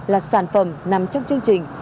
là sản phẩm nằm trong chương trình